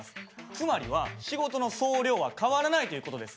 つまりは仕事の総量は変わらないという事です。